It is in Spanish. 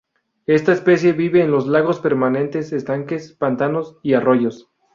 Esta especie vive en lagos permanentes, estanques, pantanos y arroyos.